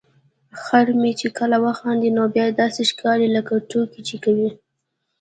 خر مې چې کله وخاندي نو بیا داسې ښکاري لکه ټوکې چې کوي.